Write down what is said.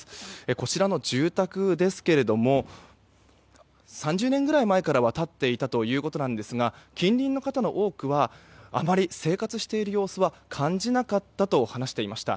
こちらの住宅ですけれども３０年ぐらい前から立っていたということなんですが近隣の方の多くはあまり生活している様子は感じなかったと話していました。